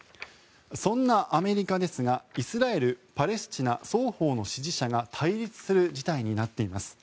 そんなアメリカですがイスラエルパレスチナ双方の支持者が対立する事態になっています。